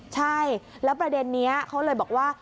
ใช่แล้วประเด็นนี้เขาเลยบอกว่า